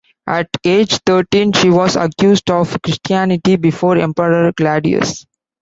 At age thirteen, she was accused of Christianity before Emperor Claudius.